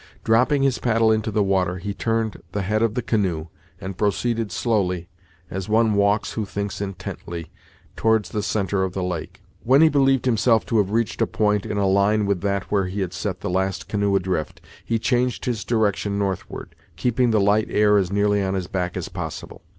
Dropping his paddle into the water, he turned the head of the canoe, and proceeded slowly, as one walks who thinks intently, towards the centre of the lake. When he believed himself to have reached a point in a line with that where he had set the last canoe adrift, he changed his direction northward, keeping the light air as nearly on his back as possible.